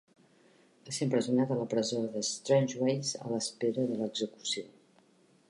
Va ser empresonat a la presó Strangeways a l'espera de l'execució.